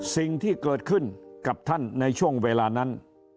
สิ่งที่เกิดขึ้นกับท่านในช่วงเวลานั้น